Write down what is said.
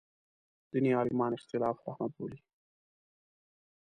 دیني عالمان اختلاف رحمت بولي.